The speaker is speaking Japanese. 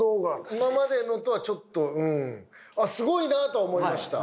今までのとはちょっとうんすごいなとは思いました。